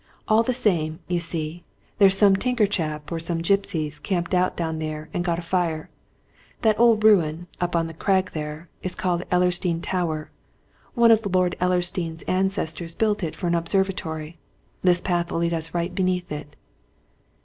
All the same, you see, there's some tinker chap, or some gipsies, camped out down there and got a fire. That old ruin, up on the crag there, is called Ellersdeane Tower one of Lord Ellersdeane's ancestors built it for an observatory this path'll lead us right beneath it."